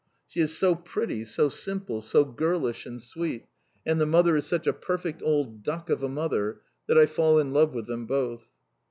She is so pretty, so simple, so girlish, and sweet, and the mother is such a perfect old duck of a mother, that I fall in love with them both.